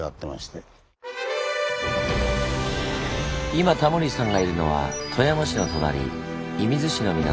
今タモリさんがいるのは富山市の隣射水市の港。